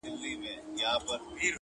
o په يوه چپلاخه د سلو مخ خوږېږي.